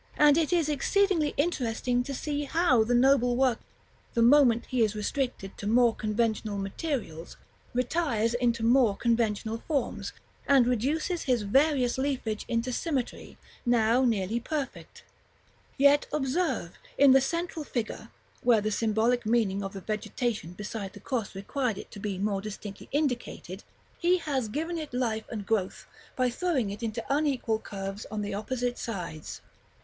And it is exceedingly interesting to see how the noble workman, the moment he is restricted to more conventional materials, retires into more conventional forms, and reduces his various leafage into symmetry, now nearly perfect; yet observe, in the central figure, where the symbolic meaning of the vegetation beside the cross required it to be more distinctly indicated, he has given it life and growth by throwing it into unequal curves on the opposite sides.